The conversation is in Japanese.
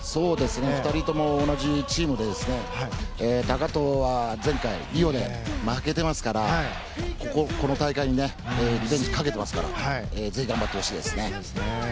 ２人とも同じチームで高藤は前回リオで負けてますからこの大会にリベンジをかけていますからぜひ頑張ってほしいですね。